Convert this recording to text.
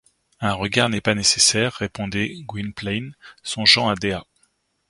Un regard n’est pas nécessaire, répondait Gwynplaine, songeant à Dea.